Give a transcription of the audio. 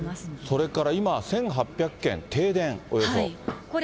それから今、１８００軒停電、およそ。